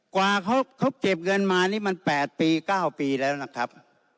กว่าเขาเก็บเงินมานี่มัน๘ปี๙ปีแล้วนะครับ